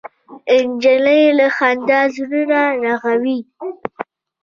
نجلۍ له خندا زړونه رغوي.